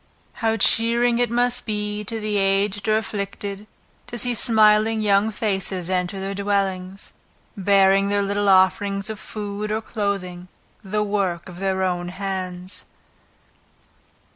How cheering it must be to the aged or afflicted, to see smiling young faces enter their dwellings, bearing their little offerings of food or clothing, the work of their own hands.